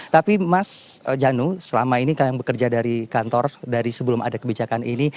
tapi mas janu selama ini kalian bekerja dari kantor dari sebelum ada kebijakan ini